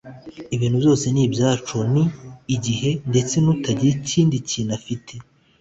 ibintu byose ni ibyacu ni igihe; ndetse n'utagira ikindi kintu afite